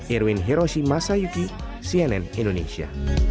irwin hiroshi masayuki cnn indonesia